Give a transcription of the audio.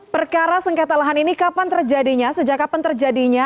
perkara sengketa lahan ini kapan terjadinya sejak kapan terjadinya